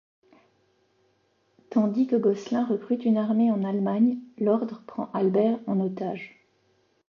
Tandis que Gosselin recrute une armée en Allemagne, l'Ordre prend Albert en otage.